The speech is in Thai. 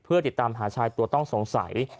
เพื่อติดตามหาชายตัวต้องสงสัย